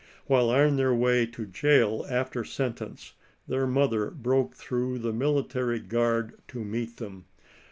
While on their way to jail after sentence, their mother broke through the military guard to meet them.